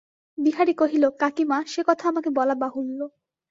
বিহারী কহিল, কাকীমা, সে কথা আমাকে বলা বাহুল্য।